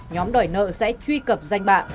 nhóm đòi nợ sẽ truy cập danh bạ